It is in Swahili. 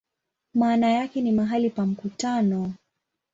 Maana yake ni "mahali pa mkutano".